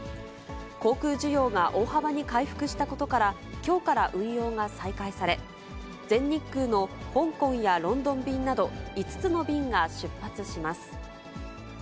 航空需要が大幅に回復したことから、きょうから運用が再開され、全日空の香港やロンドン便など、５つの便が出発します。